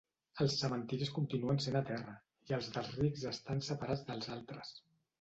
Els cementiris continuen sent a terra, i els dels rics estan separats dels altres.